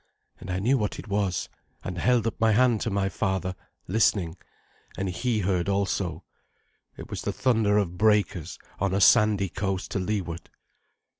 And I knew what it was, and held up my hand to my father, listening, and he heard also. It was the thunder of breakers on a sandy coast to leeward.